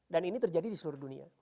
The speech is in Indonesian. dan ini terjadi di seluruh dunia